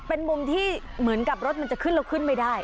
เป็นมุมที่เหมือนกับรถมันจะขึ้นแล้วขึ้นไม่ได้